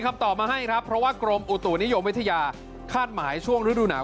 คำตอบมาให้ครับเพราะว่ากรมอุตุนิยมวิทยาคาดหมายช่วงฤดูหนาว